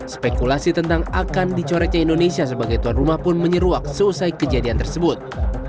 spekulasi tentang akan dicoretnya indonesia sebagai tuan rumah pun menyeruak selesai kejadian tersebut